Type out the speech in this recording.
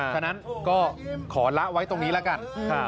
ฉะนั้นก็ขอละไว้ตรงนี้แล้วกัน